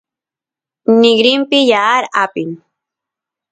nigrinpi yaar apin